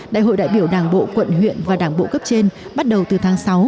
đại hội đại biểu đảng bộ quận huyện và đảng bộ cấp trên bắt đầu từ tháng sáu